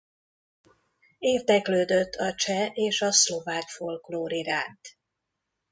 Érdeklődött a cseh és a szlovák folklór iránt.